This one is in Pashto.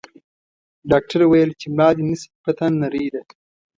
ډاکټر ویل چې ملا دې نسبتاً نرۍ ده.